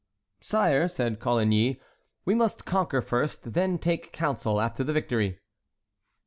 "Sire," said Coligny, "we must conquer first, and then take counsel after the victory."